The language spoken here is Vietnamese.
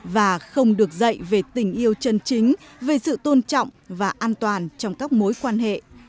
và không được dạy về tình yêu chân chính về sự tôn trọng và an toàn trong các mối quan hệ